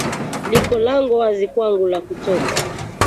Liko lango wazi kwangu la kutoka.